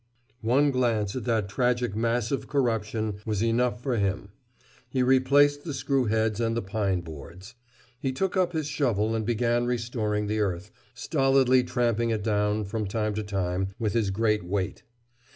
One glance at that tragic mass of corruption was enough for him. He replaced the screw heads and the pine boards. He took up his shovel and began restoring the earth, stolidly tramping it down, from time to time, with his great weight.